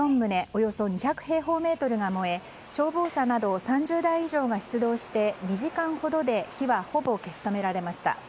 およそ２００平方メートルが燃え消防車など３０台以上が出動して２時間ほどで火はほぼ消し止められました。